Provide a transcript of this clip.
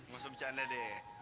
gak usah bercanda deh